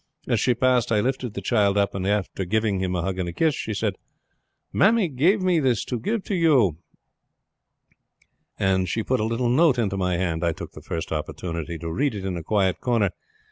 As she passed I lifted the child up, and after giving me a hug and a kiss she said: 'Mammy gave me this to give to you;' and she put a little note into my hand. I took the first opportunity to read it in a quiet corner.